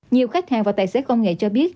nhiều khách hàng và tài xế công nghệ cho biết